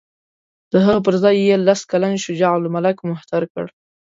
د هغه پر ځای یې لس کلن شجاع الملک مهتر کړ.